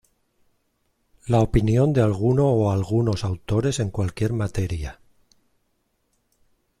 La opinión de alguno o algunos autores en cualquier materia.